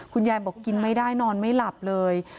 คุณยายบอกกินไม่ได้นอนไม่หลับเลย